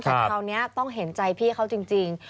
แต่คราวนี้ต้องเห็นใจพี่เขาจริง